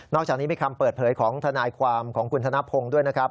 จากนี้มีคำเปิดเผยของทนายความของคุณธนพงศ์ด้วยนะครับ